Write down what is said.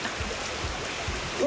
うわ。